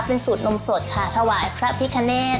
เป็นสูตรนมสดค่ะถวายพระพิคเนต